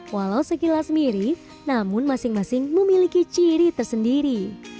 walau sekilas mirip namun masing masing memiliki ciri tersendiri